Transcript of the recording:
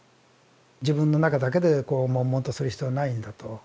自分の中だけでこう悶々とする必要はないんだと。